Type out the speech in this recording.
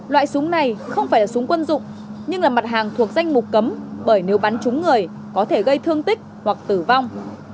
loại súng này không phải là súng quân dụng nhưng là mặt hàng thuộc danh mục cấm bởi nếu bắn trúng người có thể gây thương tích hoặc tử vong